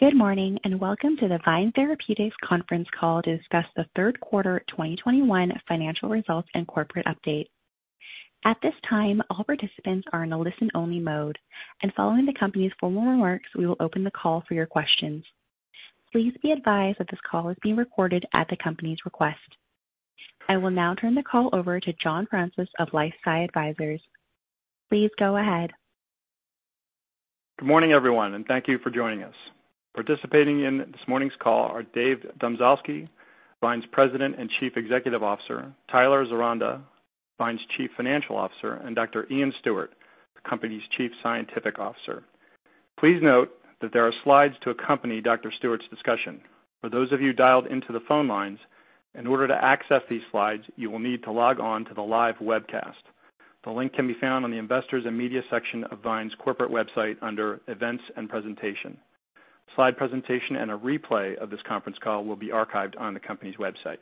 Good morning, and welcome to the VYNE Therapeutics Conference Call to discuss the Q3 2021 financial results and corporate update. At this time, all participants are in a listen-only mode, and following the company's formal remarks, we will open the call for your questions. Please be advised that this call is being recorded at the company's request. I will now turn the call over to John Fraunces of LifeSci Advisors. Please go ahead. Good morning, everyone, and thank you for joining us. Participating in this morning's call are Dave Domzalski, VYNE's President and Chief Executive Officer, Tyler Zeronda, VYNE's Chief Financial Officer, and Dr. Iain Stuart, the company's Chief Scientific Officer. Please note that there are slides to accompany Dr. Stuart's discussion. For those of you dialed into the phone lines, in order to access these slides, you will need to log on to the live webcast. The link can be found on the Investors and Media section of VYNE's corporate website under Events and Presentation. Slide presentation and a replay of this conference call will be archived on the company's website.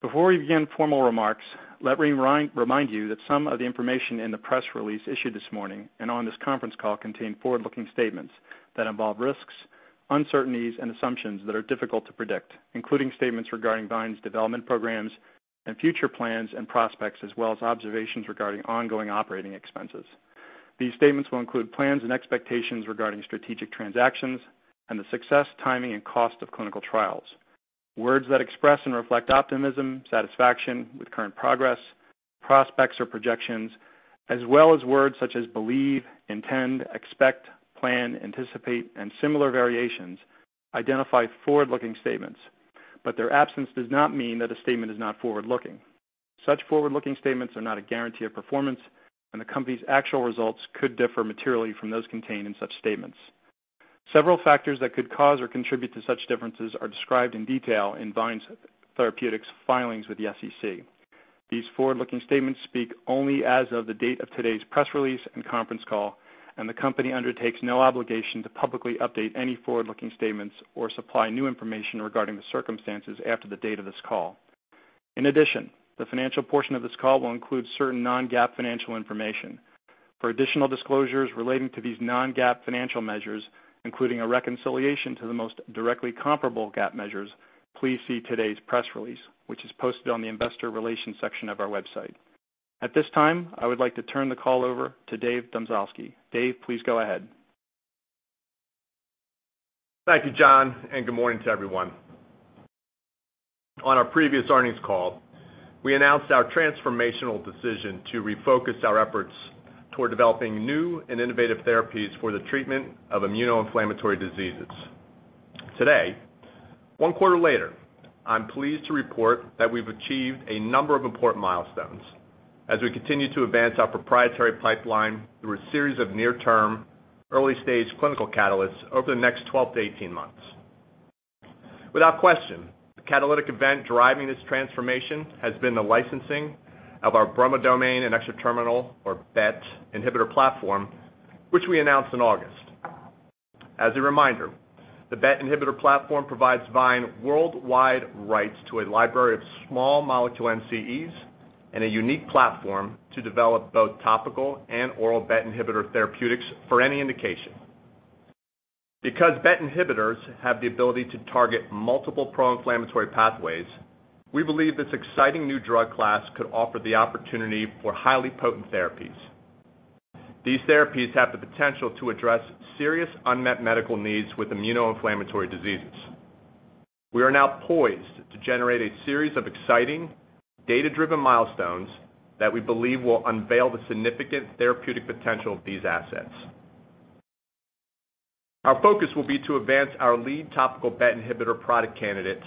Before we begin formal remarks, let me remind you that some of the information in the press release issued this morning and on this conference call contain forward-looking statements that involve risks, uncertainties, and assumptions that are difficult to predict, including statements regarding VYNE's development programs and future plans and prospects, as well as observations regarding ongoing operating expenses. These statements will include plans and expectations regarding strategic transactions and the success, timing, and cost of clinical trials. Words that express and reflect optimism, satisfaction with current progress, prospects or projections, as well as words such as believe, intend, expect, plan, anticipate, and similar variations identify forward-looking statements, but their absence does not mean that a statement is not forward-looking. Such forward-looking statements are not a guarantee of performance, and the company's actual results could differ materially from those contained in such statements. Several factors that could cause or contribute to such differences are described in detail in VYNE Therapeutics' filings with the SEC. These forward-looking statements speak only as of the date of today's press release and conference call, and the company undertakes no obligation to publicly update any forward-looking statements or supply new information regarding the circumstances after the date of this call. In addition, the financial portion of this call will include certain non-GAAP financial information. For additional disclosures relating to these non-GAAP financial measures, including a reconciliation to the most directly comparable GAAP measures, please see today's press release, which is posted on the Investor Relations section of our website. At this time, I would like to turn the call over to Dave Domzalski. Dave, please go ahead. Thank you, John, and good morning to everyone. On our previous earnings call, we announced our transformational decision to refocus our efforts toward developing new and innovative therapies for the treatment of immuno-inflammatory diseases. Today, one quarter later, I'm pleased to report that we've achieved a number of important milestones as we continue to advance our proprietary pipeline through a series of near-term early stage clinical catalysts over the next 12 to 18 months. Without question, the catalytic event driving this transformation has been the licensing of our bromodomain and extra-terminal or BET inhibitor platform, which we announced in August. As a reminder, the BET inhibitor platform provides VYNE worldwide rights to a library of small molecule NCEs and a unique platform to develop both topical and oral BET inhibitor therapeutics for any indication. Because BET inhibitors have the ability to target multiple pro-inflammatory pathways, we believe this exciting new drug class could offer the opportunity for highly potent therapies. These therapies have the potential to address serious unmet medical needs with immunoinflammatory diseases. We are now poised to generate a series of exciting data-driven milestones that we believe will unveil the significant therapeutic potential of these assets. Our focus will be to advance our lead topical BET inhibitor product candidate,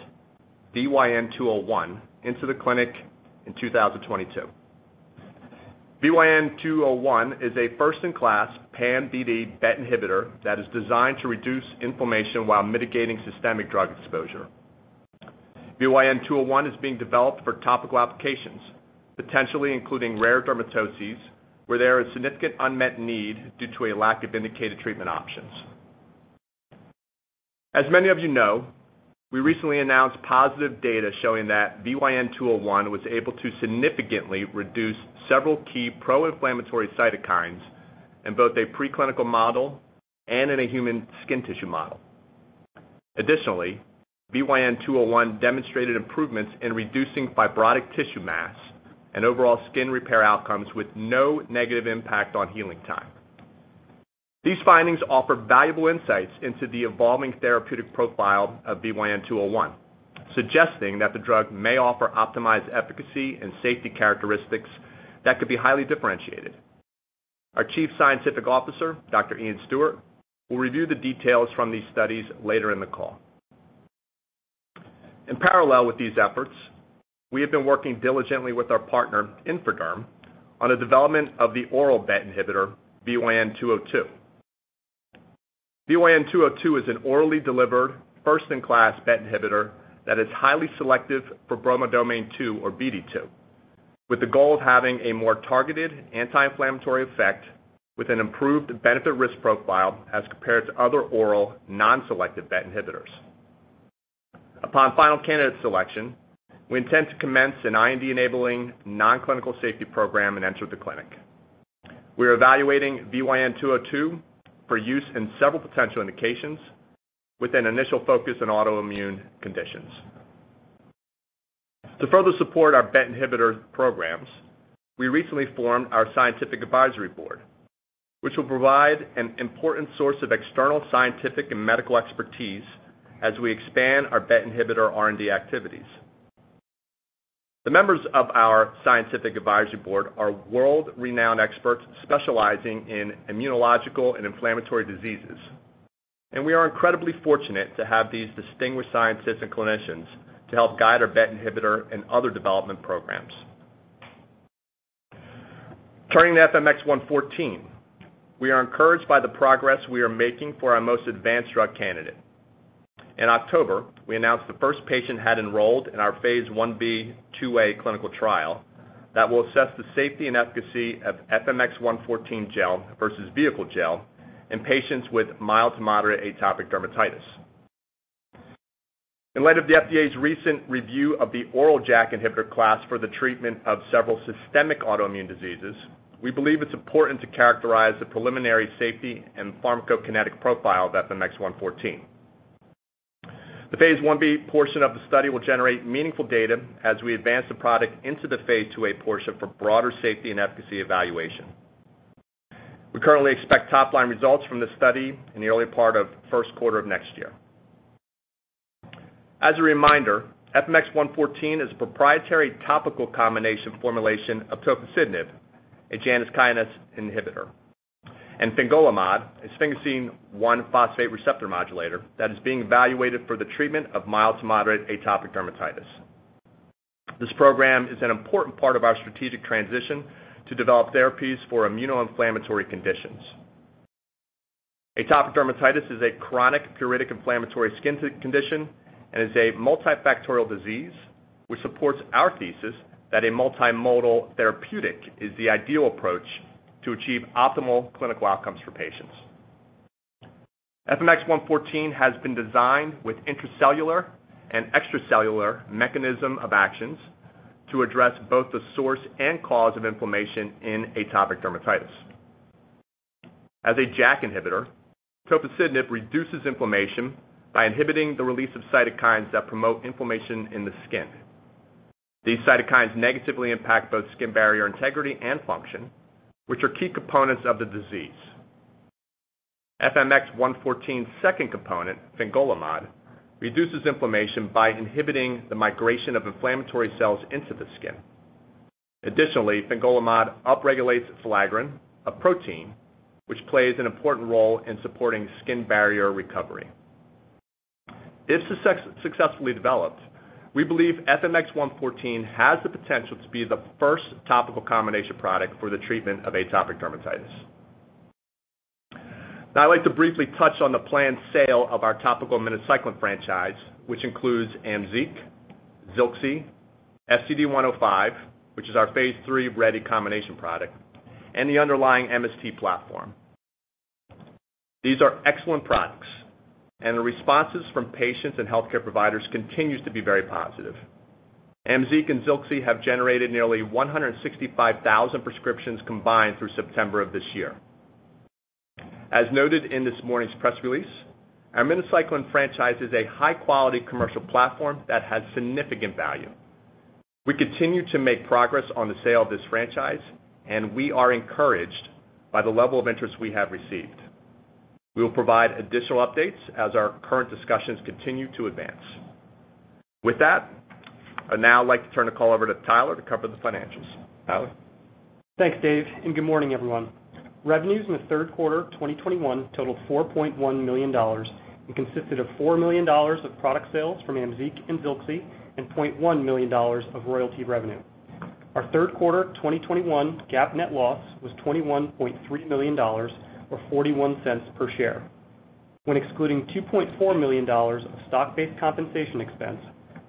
VYN201, into the clinic in 2022. VYN201 is a first-in-class pan-BD BET inhibitor that is designed to reduce inflammation while mitigating systemic drug exposure. VYN201 is being developed for topical applications, potentially including rare dermatoses, where there is significant unmet need due to a lack of indicated treatment options. As many of you know, we recently announced positive data showing that VYN201 was able to significantly reduce several key pro-inflammatory cytokines in both a preclinical model and in a human skin tissue model. Additionally, VYN201 demonstrated improvements in reducing fibrotic tissue mass and overall skin repair outcomes with no negative impact on healing time. These findings offer valuable insights into the evolving therapeutic profile of VYN201, suggesting that the drug may offer optimized efficacy and safety characteristics that could be highly differentiated. Our Chief Scientific Officer, Dr. Iain Stuart, will review the details from these studies later in the call. In parallel with these efforts, we have been working diligently with our partner, Tay Therapeutics, on the development of the oral BET inhibitor, VYN202. VYN202 is an orally delivered first-in-class BET inhibitor that is highly selective for bromodomain two or BD2, with the goal of having a more targeted anti-inflammatory effect with an improved benefit-risk profile as compared to other oral non-selective BET inhibitors. Upon final candidate selection, we intend to commence an IND-enabling non-clinical safety program and enter the clinic. We are evaluating VYN202 for use in several potential indications with an initial focus on autoimmune conditions. To further support our BET inhibitor programs, we recently formed our scientific advisory board, which will provide an important source of external scientific and medical expertise as we expand our BET inhibitor R&D activities. The members of our scientific advisory board are world-renowned experts specializing in immunological and inflammatory diseases, and we are incredibly fortunate to have these distinguished scientists and clinicians to help guide our BET inhibitor and other development programs. Turning to FMX114, we are encouraged by the progress we are making for our most advanced drug candidate. In October, we announced the first patient had enrolled in our phase Ib/IIa clinical trial that will assess the safety and efficacy of FMX114 gel versus vehicle gel in patients with mild to moderate atopic dermatitis. In light of the FDA's recent review of the oral JAK inhibitor class for the treatment of several systemic autoimmune diseases, we believe it's important to characterize the preliminary safety and pharmacokinetic profile of FMX114. The phase Ib portion of the study will generate meaningful data as we advance the product into the phase IIa portion for broader safety and efficacy evaluation. We currently expect top-line results from this study in the early part of Q1 of next year. As a reminder, FMX114 is a proprietary topical combination formulation of tofacitinib, a Janus kinase inhibitor, and fingolimod, a sphingosine-1-phosphate receptor modulator that is being evaluated for the treatment of mild to moderate atopic dermatitis. This program is an important part of our strategic transition to develop therapies for immunoinflammatory conditions. Atopic dermatitis is a chronic pruritic inflammatory skin condition and is a multifactorial disease, which supports our thesis that a multimodal therapeutic is the ideal approach to achieve optimal clinical outcomes for patients. FMX114 has been designed with intracellular and extracellular mechanism of actions to address both the source and cause of inflammation in atopic dermatitis. As a JAK inhibitor, tofacitinib reduces inflammation by inhibiting the release of cytokines that promote inflammation in the skin. These cytokines negatively impact both skin barrier integrity and function, which are key components of the disease. FMX114's second component, fingolimod, reduces inflammation by inhibiting the migration of inflammatory cells into the skin. Additionally, fingolimod upregulates filaggrin, a protein, which plays an important role in supporting skin barrier recovery. If successfully developed, we believe FMX114 has the potential to be the first topical combination product for the treatment of atopic dermatitis. Now I'd like to briefly touch on the planned sale of our topical minocycline franchise, which includes AMZEEQ, ZILXI, FCD105, which is our phase III-ready combination product, and the underlying MST platform. These are excellent products, and the responses from patients and healthcare providers continues to be very positive. AMZEEQ and ZILXI have generated nearly 165,000 prescriptions combined through September of this year. As noted in this morning's press release, our minocycline franchise is a high-quality commercial platform that has significant value. We continue to make progress on the sale of this franchise, and we are encouraged by the level of interest we have received. We will provide additional updates as our current discussions continue to advance. With that, I'd now like to turn the call over to Tyler to cover the financials. Tyler? Thanks, Dave, and good morning, everyone. Revenues in the Q3 2021 totaled $4.1 million and consisted of $4 million of product sales from AMZEEQ and ZILXI and $0.1 million of royalty revenue. Our Q3 2021 GAAP net loss was $21.3 million or $0.41 per share. When excluding $2.4 million of stock-based compensation expense,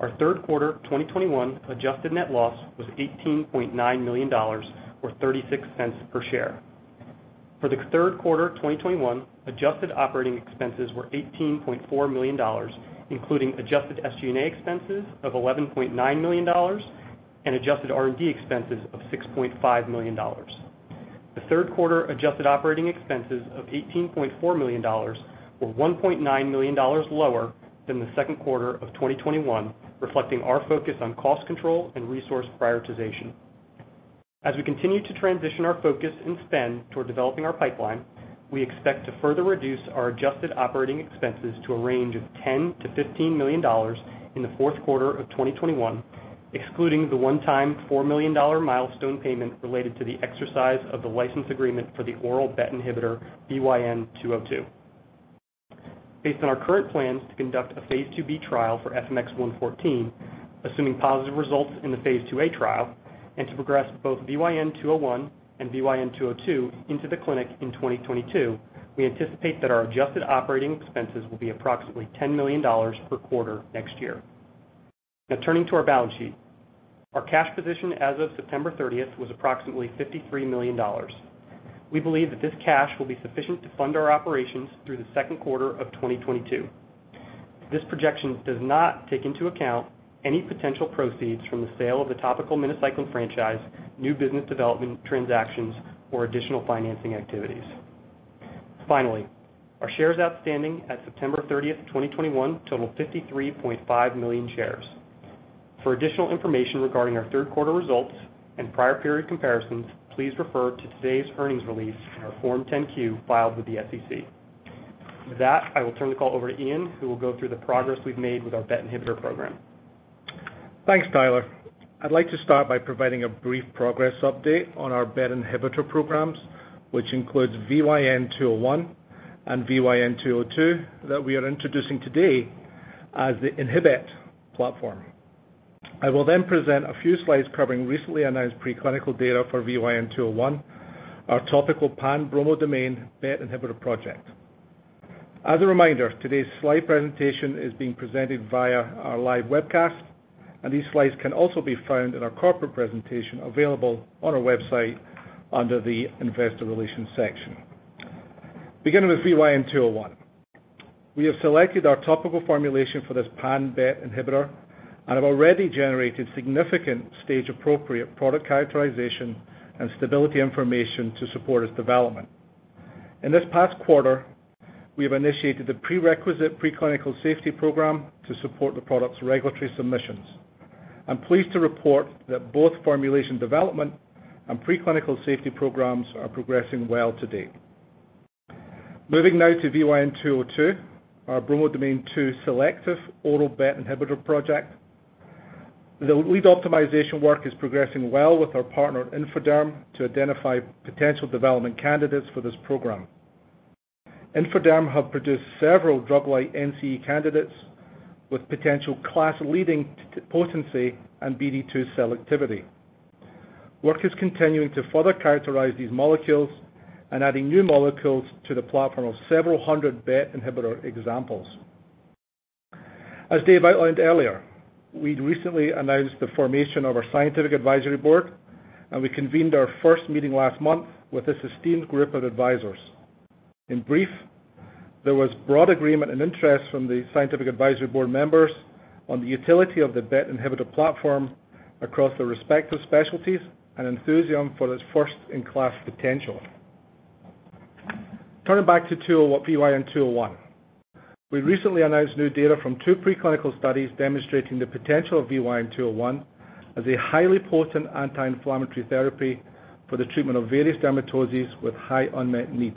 our Q3 2021 adjusted net loss was $18.9 million or $0.36 per share. For the Q3 2021, adjusted operating expenses were $18.4 million, including adjusted SG&A expenses of $11.9 million and adjusted R&D expenses of $6.5 million. The Q3 adjusted operating expenses of $18.4 million were $1.9 million lower than the Q2 of 2021, reflecting our focus on cost control and resource prioritization. We continue to transition our focus and spend toward developing our pipeline. We expect to further reduce our adjusted operating expenses to a range of $10 to $15 million in the Q4 of 2021, excluding the one-time $4 million milestone payment related to the exercise of the license agreement for the oral BET inhibitor, VYN202. Based on our current plans to conduct a phase IIb trial for FMX114, assuming positive results in the phase IIa trial, and to progress both VYN201 and VYN202 into the clinic in 2022, we anticipate that our adjusted operating expenses will be approximately $10 million per quarter next year. Now turning to our balance sheet. Our cash position as of September 30th was approximately $53 million. We believe that this cash will be sufficient to fund our operations through the Q2 of 2022. This projection does not take into account any potential proceeds from the sale of the topical minocycline franchise, new business development transactions, or additional financing activities. Finally, our shares outstanding at September 30th, 2021 total 53.5 million shares. For additional information regarding our Q3 results and prior period comparisons, please refer to today's earnings release in our Form 10-Q filed with the SEC. With that, I will turn the call over to Iain, who will go through the progress we've made with our BET inhibitor program. Thanks, Tyler. I'd like to start by providing a brief progress update on our BET inhibitor programs, which includes VYN201 and VYN202 that we are introducing today as the InhiBET platform. I will then present a few slides covering recently announced preclinical data for VYN201, our topical pan-BD BET inhibitor project. As a reminder, today's slide presentation is being presented via our live webcast, and these slides can also be found in our corporate presentation available on our website under the investor relations section. Beginning with VYN201. We have selected our topical formulation for this pan-BET inhibitor and have already generated significant stage-appropriate product characterization and stability information to support its development. In this past quarter, we have initiated the prerequisite preclinical safety program to support the product's regulatory submissions. I'm pleased to report that both formulation development and preclinical safety programs are progressing well to date. Moving now to VYN202, our bromodomain two selective oral BET inhibitor project. The lead optimization work is progressing well with our partner, Tay Therapeutics, to identify potential development candidates for this program. Tay Therapeutics have produced several drug-like NCE candidates with potential class-leading potency and BD2 cell activity. Work is continuing to further characterize these molecules and adding new molecules to the platform of several hundred BET inhibitor examples. As Dave outlined earlier, we'd recently announced the formation of our scientific advisory board, and we convened our first meeting last month with this esteemed group of advisors. In brief, there was broad agreement and interest from the scientific advisory board members on the utility of the BET inhibitor platform across their respective specialties and enthusiasm for this first in class potential. Turning back to VYN201. We recently announced new data from two preclinical studies demonstrating the potential of VYN201 as a highly potent anti-inflammatory therapy for the treatment of various dermatoses with high unmet need.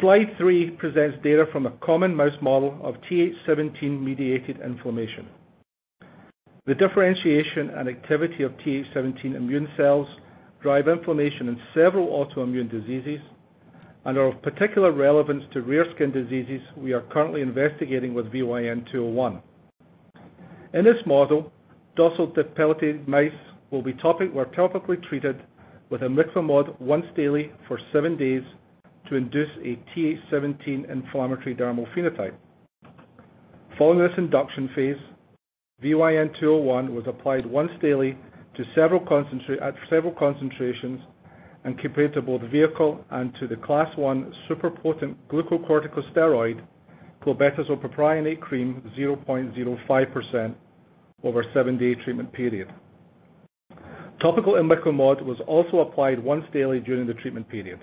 Slide three presents data from a common mouse model of Th17-mediated inflammation. The differentiation and activity of Th17 immune cells drive inflammation in several autoimmune diseases and are of particular relevance to rare skin diseases we are currently investigating with VYN201. In this model, dorsal depilated mice were topically treated with imiquimod once daily for seven days to induce a Th17 inflammatory dermal phenotype. Following this induction phase, VYN201 was applied once daily at several concentrations and compared to both vehicle and to the class I super potent glucocorticosteroid, clobetasol propionate cream 0.05% over a seven-day treatment period. Topical imiquimod was also applied once daily during the treatment period.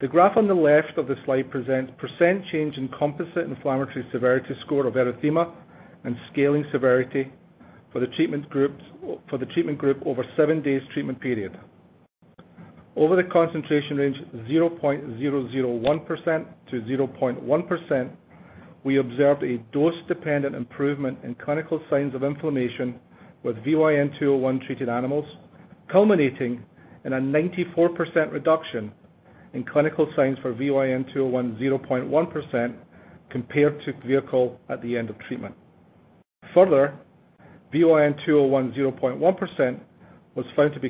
The graph on the left of the slide presents percent change in composite inflammatory severity score of erythema and scaling severity for the treatment group over 7 days treatment period. Over the concentration range 0.001% to 0.1%, we observed a dose-dependent improvement in clinical signs of inflammation with VYN201-treated animals, culminating in a 94% reduction in clinical signs for VYN201 0.1% compared to vehicle at the end of treatment. Further, VYN201 0.1% was found to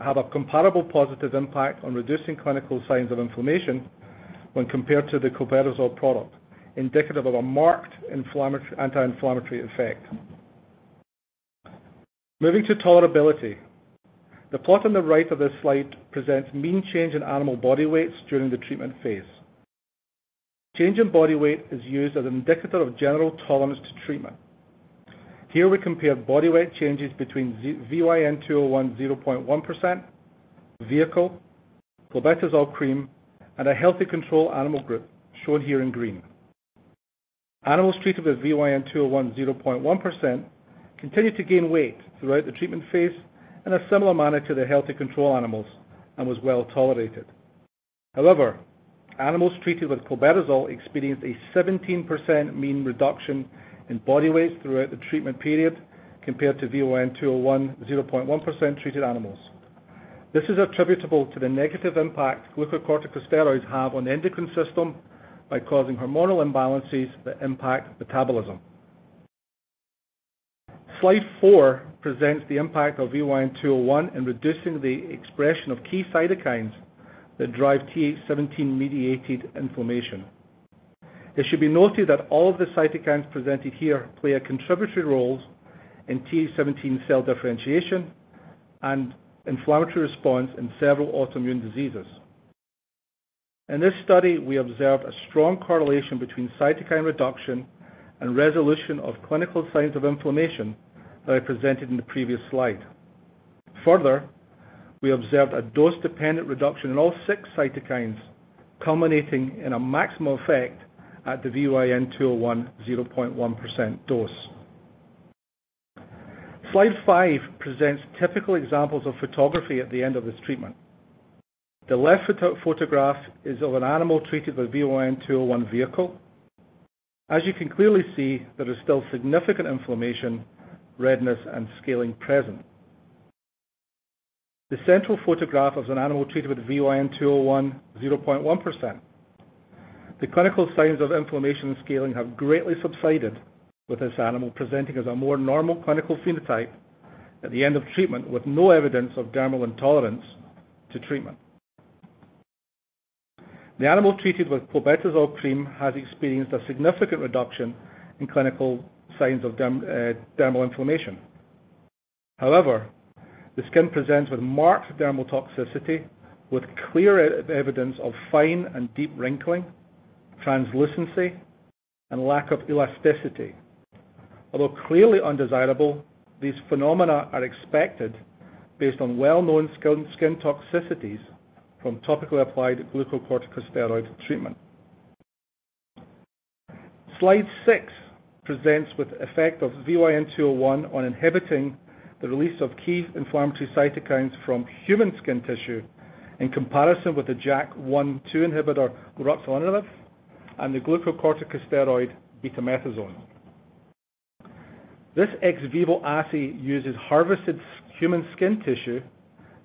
have a comparable positive impact on reducing clinical signs of inflammation when compared to the clobetasol product, indicative of a marked anti-inflammatory effect. Moving to tolerability. The plot on the right of this slide presents mean change in animal body weights during the treatment phase. Change in body weight is used as an indicator of general tolerance to treatment. Here we compare body weight changes between VYN-201 0.1%, vehicle, clobetasol cream, and a healthy control animal group, shown here in green. Animals treated with VYN-201 0.1% continued to gain weight throughout the treatment phase in a similar manner to the healthy control animals and was well tolerated. However, animals treated with clobetasol experienced a 17% mean reduction in body weights throughout the treatment period compared to VYN-201 0.1% treated animals. This is attributable to the negative impact glucocorticosteroids have on the endocrine system by causing hormonal imbalances that impact metabolism. Slide 4 presents the impact of VYN-201 in reducing the expression of key cytokines that drive Th17-mediated inflammation. It should be noted that all of the cytokines presented here play a contributory role in Th17 cell differentiation and inflammatory response in several autoimmune diseases. In this study, we observed a strong correlation between cytokine reduction and resolution of clinical signs of inflammation that I presented in the previous slide. Further, we observed a dose-dependent reduction in all six cytokines, culminating in a maximal effect at the VYN201 0.1% dose. Slide five presents typical examples of photographs at the end of this treatment. The left photograph is of an animal treated with VYN201 vehicle. As you can clearly see, there is still significant inflammation, redness, and scaling present. The central photograph is of an animal treated with VYN201 0.1%. The clinical signs of inflammation and scaling have greatly subsided, with this animal presenting as a more normal clinical phenotype at the end of treatment, with no evidence of dermal intolerance to treatment. The animal treated with clobetasol cream has experienced a significant reduction in clinical signs of dermal inflammation. However, the skin presents with marked dermal toxicity, with clear evidence of fine and deep wrinkling, translucency, and lack of elasticity. Although clearly undesirable, these phenomena are expected based on well-known skin toxicities from topically applied glucocorticosteroid treatment. Slide six presents the effect of VYN201 on inhibiting the release of key inflammatory cytokines from human skin tissue in comparison with the JAK1/2 inhibitor baricitinib and the glucocorticosteroid betamethasone. This ex vivo assay uses harvested human skin tissue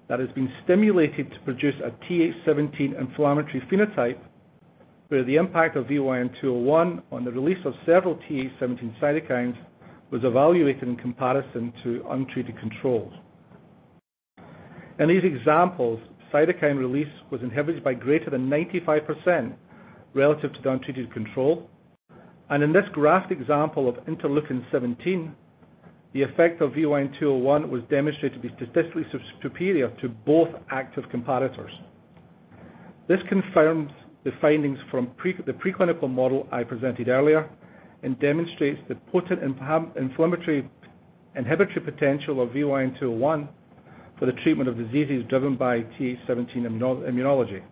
that has been stimulated to produce a Th17 inflammatory phenotype, where the impact of VYN201 on the release of several Th17 cytokines was evaluated in comparison to untreated controls. In these examples, cytokine release was inhibited by greater than 95% relative to the untreated control. In this graph example of interleukin-17, the effect of VYN201 was demonstrated to be statistically superior to both active comparators. This confirms the findings from the preclinical model I presented earlier and demonstrates the potent inflammatory inhibitory potential of VYN201 for the treatment of diseases driven by Th17 immunology.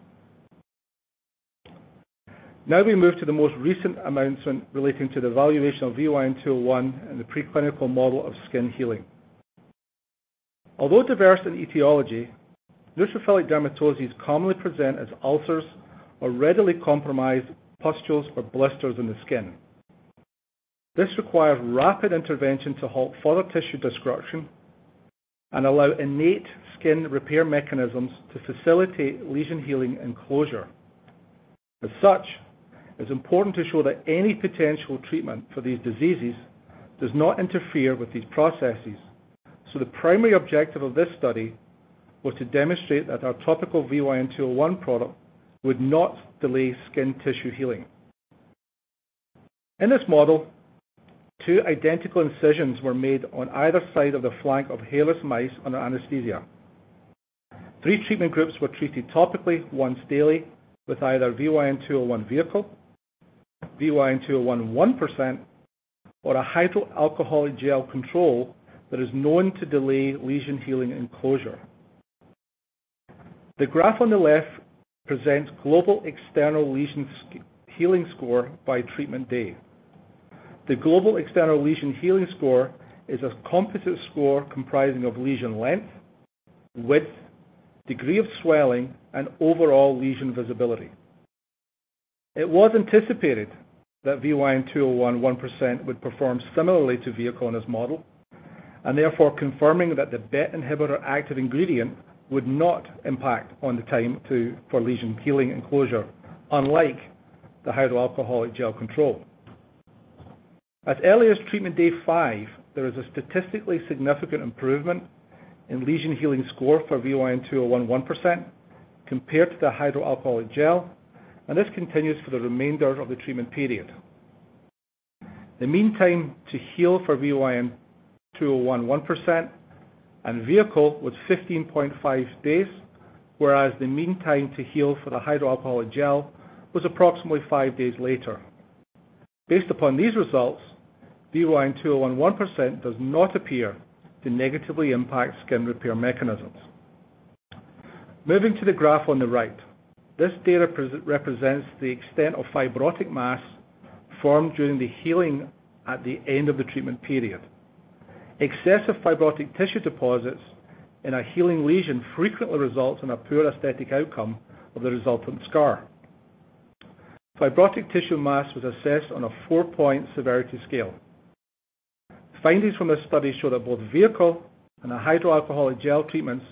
Now we move to the most recent announcement relating to the evaluation of VYN201 in the preclinical model of skin healing. Although diverse in etiology, neutrophilic dermatoses commonly present as ulcers or readily compromised pustules or blisters in the skin. This requires rapid intervention to halt further tissue destruction and allow innate skin repair mechanisms to facilitate lesion healing and closure. As such, it's important to show that any potential treatment for these diseases does not interfere with these processes. The primary objective of this study was to demonstrate that our topical VYN201 product would not delay skin tissue healing. In this model, two identical incisions were made on either side of the flank of hairless mice under anesthesia. Three treatment groups were treated topically once daily with either VYN201 vehicle, VYN201 1%, or a hydroalcoholic gel control that is known to delay lesion healing and closure. The graph on the left presents global external lesion-healing score by treatment day. The global external lesion healing score is a composite score comprising of lesion length, width, degree of swelling, and overall lesion visibility. It was anticipated that VYN201 1% would perform similarly to vehicle in this model, and therefore confirming that the BET inhibitor active ingredient would not impact on the time to, for lesion healing and closure, unlike the hydroalcoholic gel control. As early as treatment day five, there is a statistically significant improvement in lesion healing score for VYN201 1% compared to the hydroalcoholic gel, and this continues for the remainder of the treatment period. The mean time to heal for VYN201 1% and vehicle was 15.5 days, whereas the mean time to heal for the hydroalcoholic gel was approximately five days later. Based upon these results, VYN201 1% does not appear to negatively impact skin repair mechanisms. Moving to the graph on the right, this data represents the extent of fibrotic mass formed during the healing at the end of the treatment period. Excessive fibrotic tissue deposits in a healing lesion frequently results in a poor aesthetic outcome of the resultant scar. Fibrotic tissue mass was assessed on a four-point severity scale. Findings from this study show that both vehicle and a hydroalcoholic gel treatments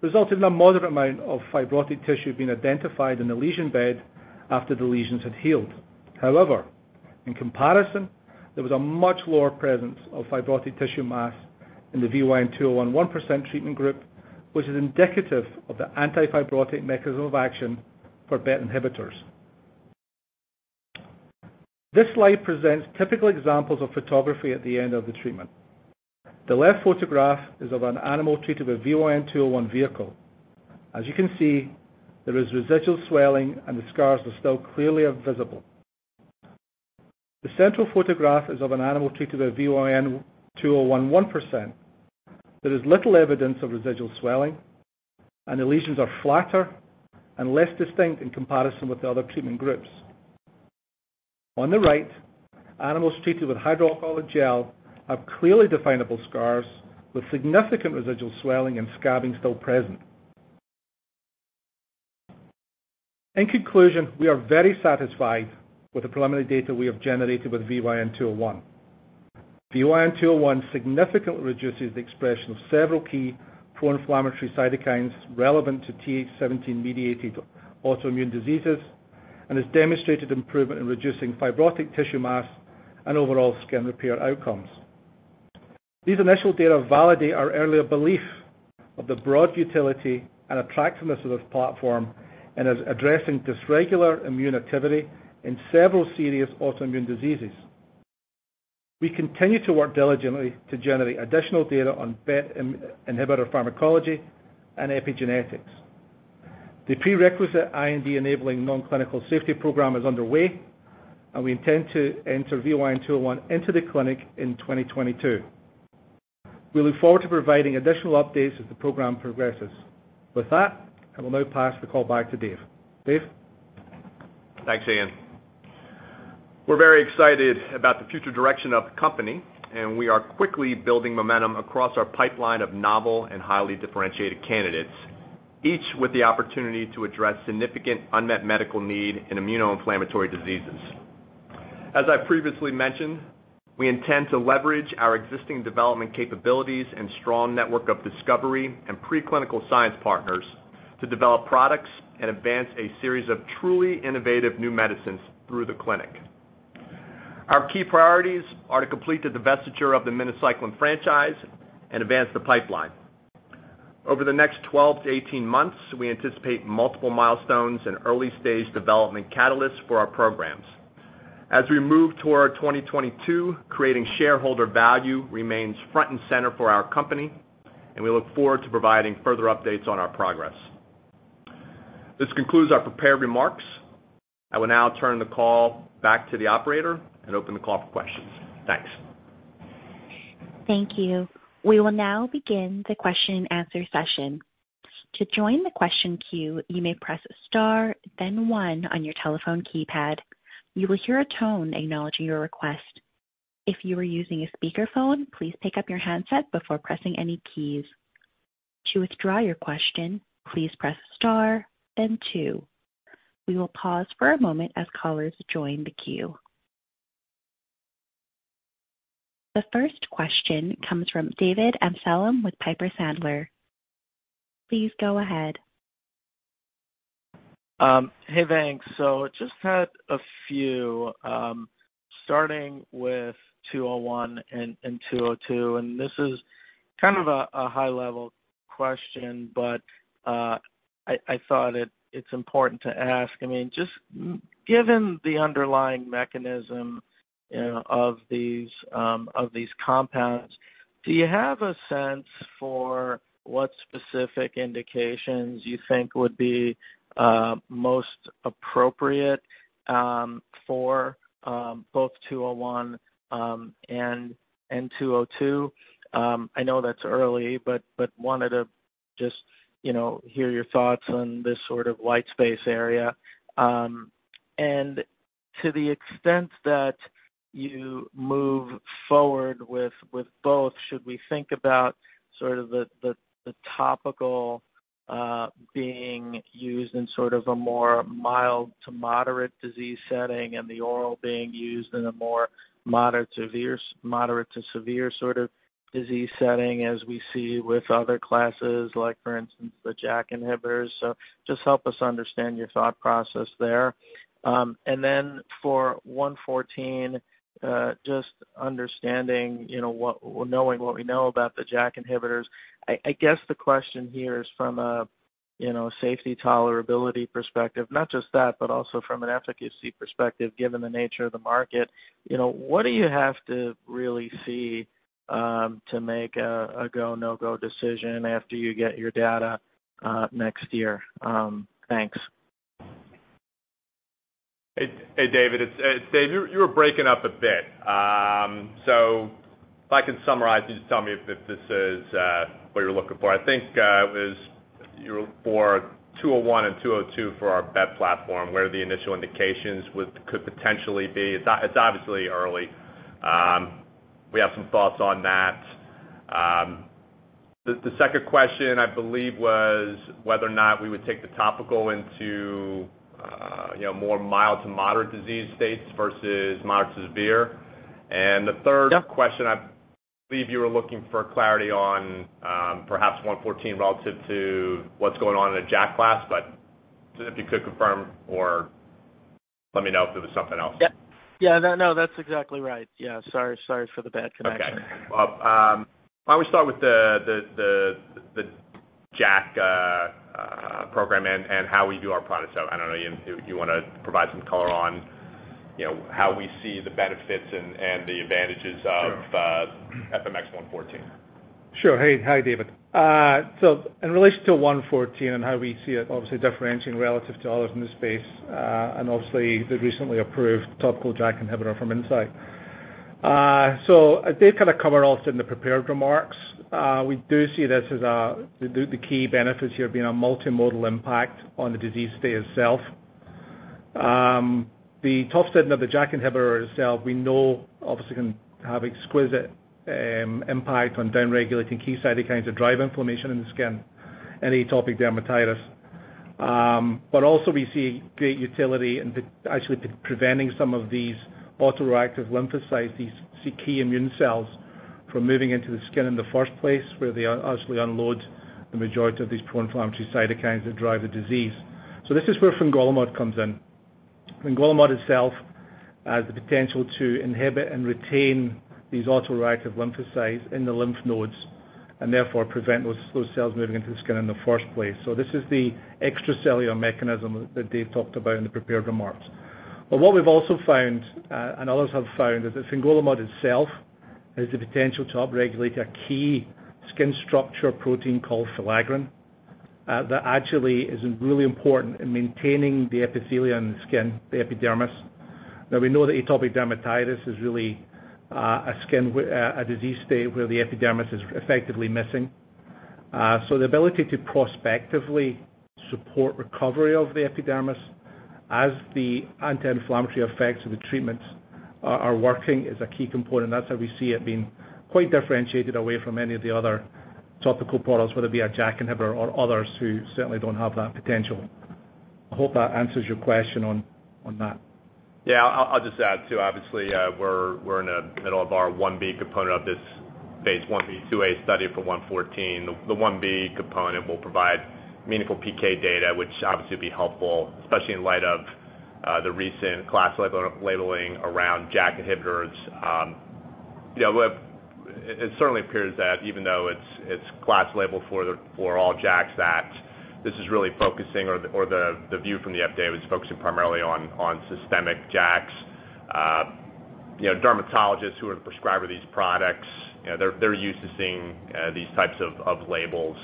resulted in a moderate amount of fibrotic tissue being identified in the lesion bed after the lesions had healed. However, in comparison, there was a much lower presence of fibrotic tissue mass in the VYN201 1% treatment group, which is indicative of the anti-fibrotic mechanism of action for BET inhibitors. This slide presents typical examples of photographs at the end of the treatment. The left photograph is of an animal treated with VYN201 vehicle. As you can see, there is residual swelling, and the scars are still clearly visible. The central photograph is of an animal treated with VYN201 1%. There is little evidence of residual swelling, and the lesions are flatter and less distinct in comparison with the other treatment groups. On the right, animals treated with hydroalcoholic gel have clearly definable scars with significant residual swelling and scabbing still present. In conclusion, we are very satisfied with the preliminary data we have generated with VYN201. VYN201 significantly reduces the expression of several key pro-inflammatory cytokines relevant to Th17 mediated autoimmune diseases and has demonstrated improvement in reducing fibrotic tissue mass and overall skin repair outcomes. These initial data validate our earlier belief of the broad utility and attractiveness of this platform and is addressing dysregulated immune activity in several serious autoimmune diseases. We continue to work diligently to generate additional data on BET inhibitor pharmacology and epigenetics. The prerequisite IND-enabling non-clinical safety program is underway, and we intend to enter VYN201 into the clinic in 2022. We look forward to providing additional updates as the program progresses. With that, I will now pass the call back to Dave. Dave? Thanks, Iain. We're very excited about the future direction of the company, and we are quickly building momentum across our pipeline of novel and highly differentiated candidates, each with the opportunity to address significant unmet medical need in immunoinflammatory diseases. As I previously mentioned, we intend to leverage our existing development capabilities and strong network of discovery and preclinical science partners to develop products and advance a series of truly innovative new medicines through the clinic. Our key priorities are to complete the divestiture of the minocycline franchise and advance the pipeline. Over the next 12 to 18 months, we anticipate multiple milestones and early-stage development catalysts for our programs. As we move toward 2022, creating shareholder value remains front and center for our company, and we look forward to providing further updates on our progress. This concludes our prepared remarks. I will now turn the call back to the operator and open the call for questions. Thanks. Thank you. We will now begin the Q&A session. To join the question queue, you may press star then one on your telephone keypad. You will hear a tone acknowledging your request. If you are using a speakerphone, please pick up your handset before pressing any keys. To withdraw your question, please press star then two. We will pause for a moment as callers join the queue. The first question comes from David Amsellem with Piper Sandler. Please go ahead. Hey, thanks. Just had a few starting with VYN201 and VYN202, and this is kind of a high-level question, but I thought it's important to ask. I mean, just given the underlying mechanism, you know, of these compounds, do you have a sense for what specific indications you think would be most appropriate for both VYN201 and VYN202? I know that's early, but wanted to just you know, hear your thoughts on this sort of white space area. To the extent that you move forward with both, should we think about sort of the topical being used in sort of a more mild to moderate disease setting and the oral being used in a more moderate to severe sort of disease setting as we see with other classes, like for instance, the JAK inhibitors? Just help us understand your thought process there. For FMX114, just understanding, you know, what—knowing what we know about the JAK inhibitors, I guess, the question here is from a, you know, safety tolerability perspective, not just that, but also from an efficacy perspective, given the nature of the market, you know, what do you have to really see to make a go, no-go decision after you get your data next year? Thanks. Hey, David. It's Dave. You were breaking up a bit. So if I can summarize, you just tell me if this is what you're looking for. I think it was you were for VYN201 and VYN202 for our BET platform, where the initial indications could potentially be. It's obviously early. We have some thoughts on that. The second question, I believe, was whether or not we would take the topical into You know, more mild to moderate disease states versus moderate to severe. The third- Yep. I believe you were looking for clarity on, perhaps FMX114 relative to what's going on in the JAK class, but just if you could confirm or let me know if it was something else. Yeah. No, that's exactly right. Yeah. Sorry for the bad connection. Okay. Well, why don't we start with the JAK program and how we do our product. I don't know, Iain, do you wanna provide some color on, you know, how we see the benefits and the advantages of- Sure. FMX114? Sure. Hey, hi, David. In relation to FMX114 and how we see it obviously differentiating relative to others in this space, and obviously the recently approved topical JAK inhibitor from Incyte. Dave kind of covered also in the prepared remarks. We do see this as the key benefits here being a multimodal impact on the disease state itself. The topical setting of the JAK inhibitor itself, we know obviously can have exquisite impact on down-regulating key cytokines that drive inflammation in the skin and atopic dermatitis. But also we see great utility in actually preventing some of these autoreactive lymphocytes, these key immune cells, from moving into the skin in the first place, where they obviously unload the majority of these pro-inflammatory cytokines that drive the disease. This is where fingolimod comes in. Fingolimod itself has the potential to inhibit and retain these autoreactive lymphocytes in the lymph nodes, and therefore prevent those cells moving into the skin in the first place. This is the extracellular mechanism that Dave talked about in the prepared remarks. What we've also found, and others have found, is that fingolimod itself has the potential to upregulate a key skin structure protein called filaggrin, that actually is really important in maintaining the epithelium in the skin, the epidermis. Now, we know that atopic dermatitis is really a skin disease state where the epidermis is effectively missing. The ability to prospectively support recovery of the epidermis as the anti-inflammatory effects of the treatments are working is a key component. That's how we see it being quite differentiated away from any of the other topical products, whether it be a JAK inhibitor or others who certainly don't have that potential. I hope that answers your question on that. Yeah. I'll just add, too. Obviously, we're in the middle of our Ib component of this phase Ib/IIa study for FMX114. The Ib component will provide meaningful PK data, which obviously will be helpful, especially in light of the recent class labeling around JAK inhibitors. It certainly appears that even though it's class labeled for all JAKs, that this is really focusing, or the view from the FDA was focusing primarily on systemic JAKs. You know, dermatologists who are the prescriber of these products, you know, they're used to seeing these types of labels.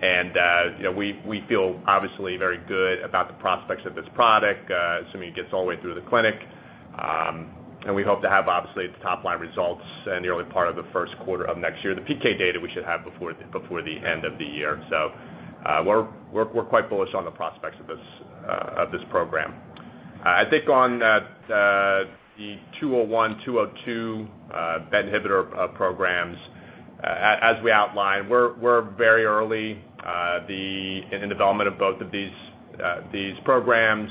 You know, we feel obviously very good about the prospects of this product, assuming it gets all the way through the clinic. We hope to have obviously the top line results in the early part of the Q1 of next year. The PK data we should have before the end of the year. We're quite bullish on the prospects of this program. I think on the VYN201, VYN202 BET inhibitor programs, as we outlined, we're very early in development of both of these programs.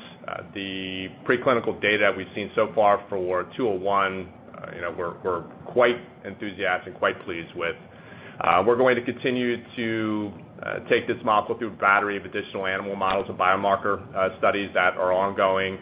The preclinical data we've seen so far for VYN201, you know, we're quite enthusiastic, quite pleased with. We're going to continue to take this molecule through a battery of additional animal models and biomarker studies that are ongoing.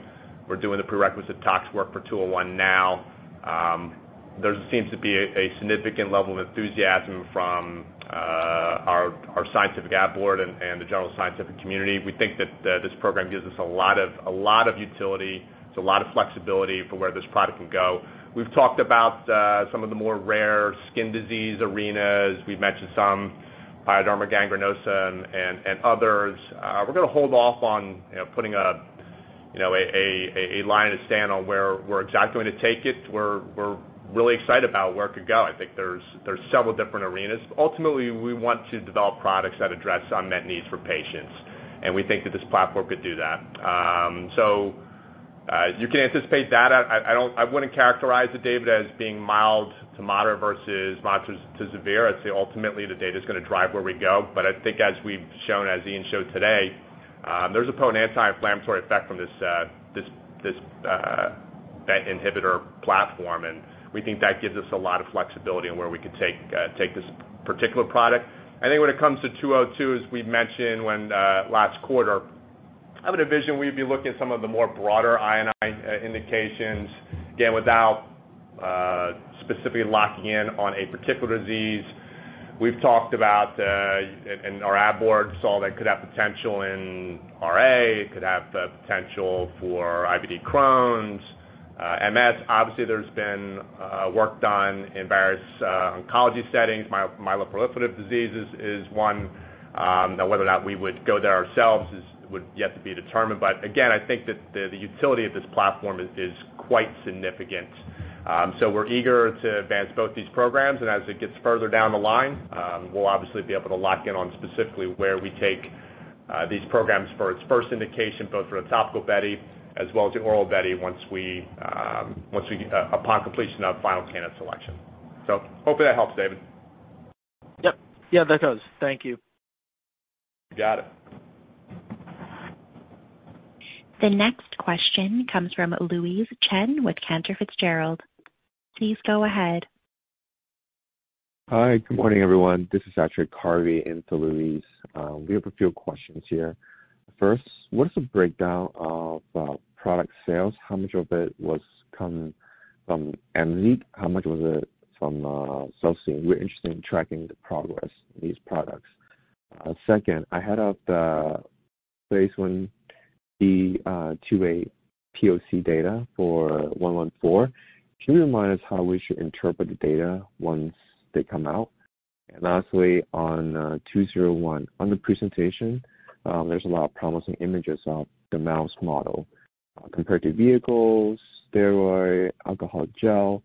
We're doing the prerequisite tox work for VYN201 now. There seems to be a significant level of enthusiasm from our scientific ad board and the general scientific community. We think that this program gives us a lot of utility, so a lot of flexibility for where this product can go. We've talked about some of the more rare skin disease arenas. We've mentioned some pyoderma gangrenosum and others. We're gonna hold off on, you know, putting a line in the sand on where we're exactly going to take it. We're really excited about where it could go. I think there's several different arenas. Ultimately, we want to develop products that address unmet needs for patients, and we think that this platform could do that. You can anticipate that. I wouldn't characterize it, David, as being mild to moderate versus moderate to severe. I'd say ultimately the data's gonna drive where we go. I think as we've shown, as Iain showed today, there's a potent anti-inflammatory effect from this BET inhibitor platform, and we think that gives us a lot of flexibility in where we could take this particular product. I think when it comes to VYN202, as we've mentioned last quarter, I would envision we'd be looking at some of the more broader I&I indications, again, without specifically locking in on a particular disease. We've talked about, and our ad board saw that it could have potential in RA, it could have the potential for IBD Crohn's, MS. Obviously, there's been work done in various oncology settings. Myeloproliferative diseases is one. Now whether or not we would go there ourselves is yet to be determined. Again, I think that the utility of this platform is quite significant. We're eager to advance both these programs. As it gets further down the line, we'll obviously be able to lock in on specifically where we take these programs for its first indication, both for a topical BETi as well as the oral BETi once we upon completion of final candidate selection. Hopefully that helps, David. Yep. Yeah, that does. Thank you. Got it. The next question comes from Louise Chen with Cantor Fitzgerald. Please go ahead. Hi, good morning, everyone. This is actually Carvey in for Louise. We have a few questions here. First, what is the breakdown of product sales? How much of it came from AMZEEQ? How much was it from ZILXI? We're interested in tracking the progress of these products. Second, ahead of the phase Ib/IIa POC data for FMX114. Can you remind us how we should interpret the data once they come out? Lastly, on VYN201. On the presentation, there's a lot of promising images of the mouse model, compared to vehicles, steroid, alcohol gel,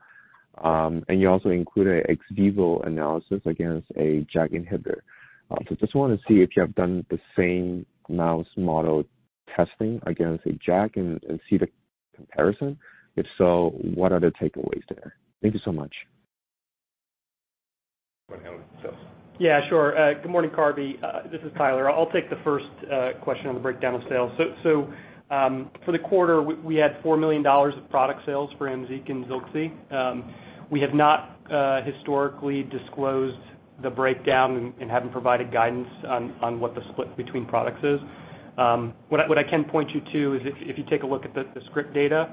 and you also include an ex vivo analysis against a JAK inhibitor. So just wanna see if you have done the same mouse model testing against a JAK and see the comparison. If so, what are the takeaways there? Thank you so much. Want to handle the sales? Yeah, sure. Good morning, Carvey. This is Tyler. I'll take the first question on the breakdown of sales. For the quarter, we had $4 million of product sales for AMZEEQ and ZILXI. We have not historically disclosed the breakdown and haven't provided guidance on what the split between products is. What I can point you to is if you take a look at the script data,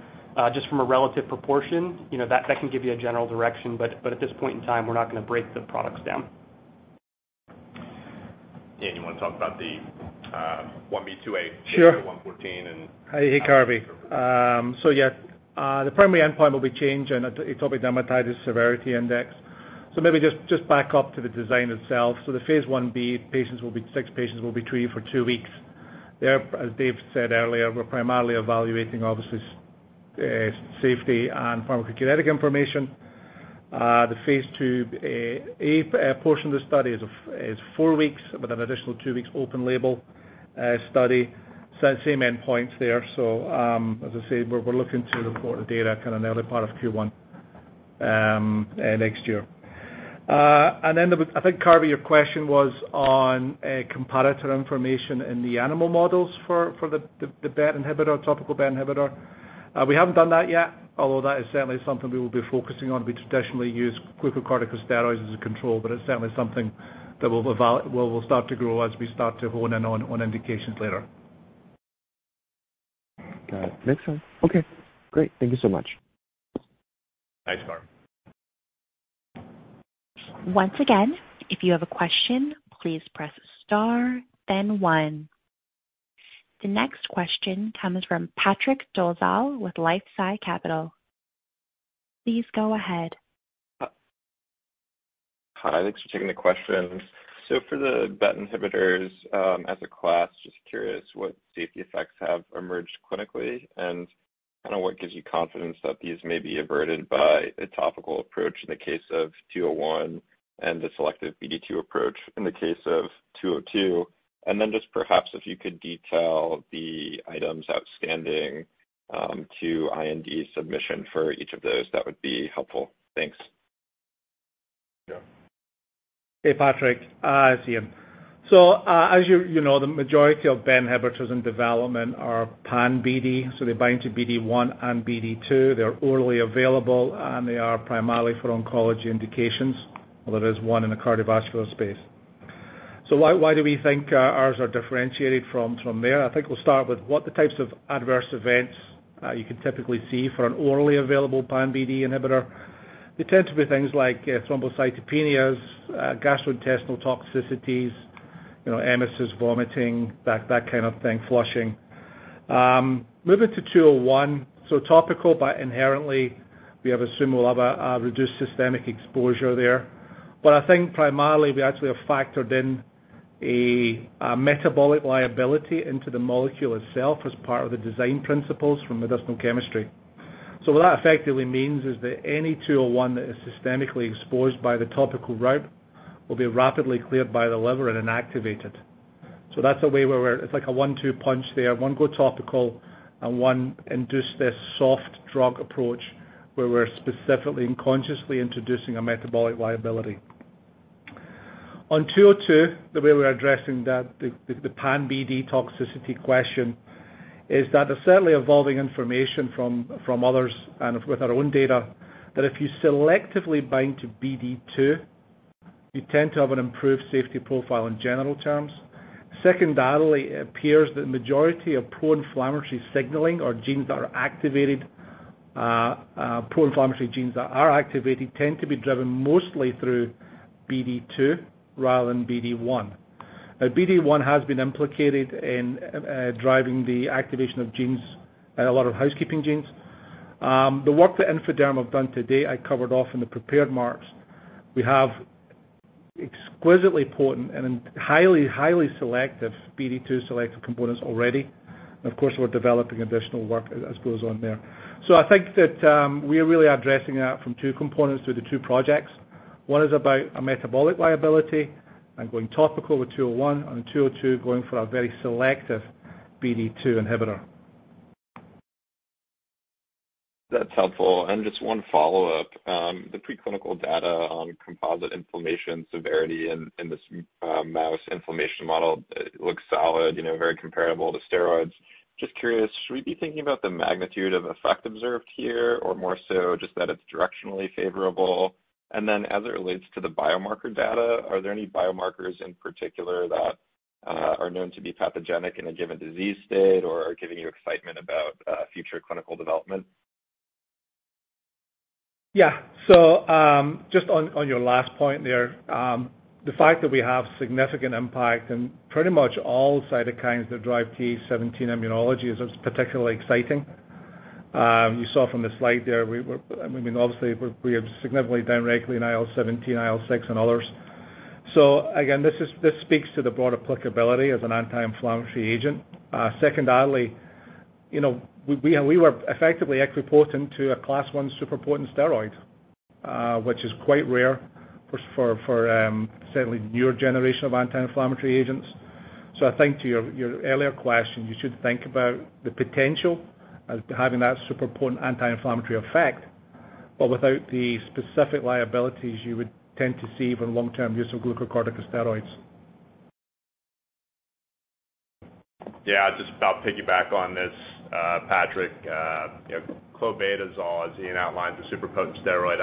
just from a relative proportion, you know, that can give you a general direction, but at this point in time, we're not gonna break the products down. Iain, you wanna talk about the 1b/2a Sure. 114, and Hi. Hey, Carvey. The primary endpoint will be change in atopic dermatitis severity index. Maybe just back up to the design itself. The phase Ib patients will be six patients treated for two weeks. There, as Dave said earlier, we're primarily evaluating obviously safety and pharmacokinetic information. The phase IIa portion of the study is four weeks with an additional two weeks open-label study. Same endpoints there. As I say, we're looking to report the data kind of early part of Q1 next year. I think, Carvey, your question was on comparator information in the animal models for the topical BET inhibitor. We haven't done that yet, although that is certainly something we will be focusing on. We traditionally use glucocorticosteroids as a control, but it's certainly something that we'll start to grow as we start to hone in on indications later. Got it. Makes sense. Okay, great. Thank you so much. Thanks, Carvey. The next question comes from Patrick Dolezal with LifeSci Capital. Please go ahead. Hi, thanks for taking the questions. For the BET inhibitors, as a class, just curious what safety effects have emerged clinically and kinda what gives you confidence that these may be averted by a topical approach in the case of VYN201 and the selective BD2 approach in the case of VYN202. Just perhaps if you could detail the items outstanding to IND submission for each of those, that would be helpful. Thanks. Yeah. Hey, Patrick. It's Iain. As you know, the majority of BET inhibitors in development are pan-BD, so they bind to BD1 and BD2. They're orally available, and they are primarily for oncology indications, although there's one in the cardiovascular space. Why do we think ours are differentiated from there? I think we'll start with what the types of adverse events you can typically see for an orally available pan-BD inhibitor. They tend to be things like thrombocytopenias, gastrointestinal toxicities, you know, emesis, vomiting, that kind of thing, flushing. Moving to two oh one, so topical, but inherently we have assumed we'll have a reduced systemic exposure there. I think primarily we actually have factored in a metabolic liability into the molecule itself as part of the design principles from the industrial chemistry. So what that effectively means is that any VYN201 that is systemically exposed by the topical route will be rapidly cleared by the liver and inactivated. So that's a way where we're. It's like a one-two punch there, one go topical and one induce this soft drug approach where we're specifically and consciously introducing a metabolic liability. On VYN202, the way we're addressing that, the pan-BD toxicity question is that there's certainly evolving information from others and with our own data, that if you selectively bind to BD2, you tend to have an improved safety profile in general terms. Secondarily, it appears the majority of pro-inflammatory signaling or genes that are activated, pro-inflammatory genes that are activated tend to be driven mostly through BD2 rather than BD1. BD1 has been implicated in driving the activation of genes and a lot of housekeeping genes. The work that Infoderm have done to date, I covered off in the prepared remarks. We have exquisitely potent and highly selective BD2 selective components already. We're developing additional work as goes on there. I think that we are really addressing that from two components through the two projects. One is about a metabolic liability and going topical with VYN201, and VYN202 going for a very selective BD2 inhibitor. That's helpful. Just one follow-up. The preclinical data on composite inflammation severity in this mouse inflammation model, it looks solid, you know, very comparable to steroids. Just curious, should we be thinking about the magnitude of effect observed here or more so just that it's directionally favorable? Then as it relates to the biomarker data, are there any biomarkers in particular that are known to be pathogenic in a given disease state or are giving you excitement about future clinical development? Yeah. Just on your last point there, the fact that we have significant impact in pretty much all cytokines that drive Th17 immunology is particularly exciting. You saw from the slide there, I mean, obviously, we have significantly directly IL-17, IL-6, and others. Again, this speaks to the broad applicability as an anti-inflammatory agent. Secondarily, you know, we were effectively equipotent to a class I super-potent steroid, which is quite rare for certainly newer generation of anti-inflammatory agents. I think to your earlier question, you should think about the potential of having that super-potent anti-inflammatory effect, but without the specific liabilities you would tend to see from long-term use of glucocorticosteroids. Yeah. Just about to piggyback on this, Patrick. You know, clobetasol, as Iain outlined, the super potent steroid,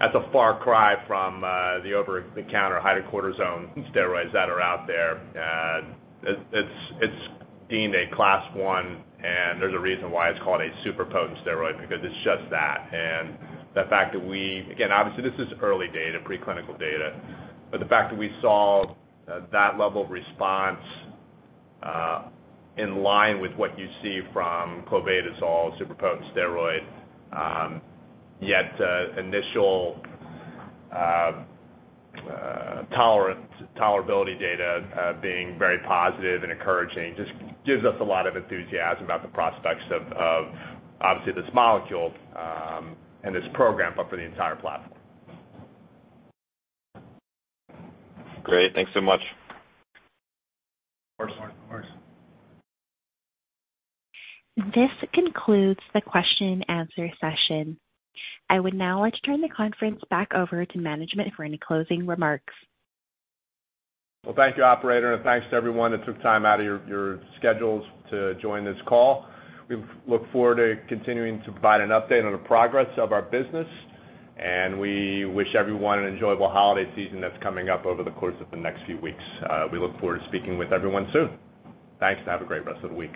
that's a far cry from the over-the-counter hydrocortisone steroids that are out there. It's being a class I, and there's a reason why it's called a super potent steroid because it's just that. Again, obviously, this is early data, preclinical data. The fact that we saw that level of response in line with what you see from clobetasol super potent steroid, yet initial tolerability data being very positive and encouraging just gives us a lot of enthusiasm about the prospects of obviously this molecule and this program, but for the entire platform. Great. Thanks so much. Of course. Of course. This concludes the Q&A session. I would now like to turn the conference back over to management for any closing remarks. Well, thank you, operator, and thanks to everyone that took time out of your schedules to join this call. We look forward to continuing to provide an update on the progress of our business, and we wish everyone an enjoyable holiday season that's coming up over the course of the next few weeks. We look forward to speaking with everyone soon. Thanks, and have a great rest of the week.